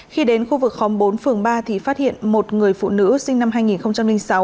khi đến khu vực khóm bốn phường ba thì phát hiện một người phụ nữ sinh năm hai nghìn sáu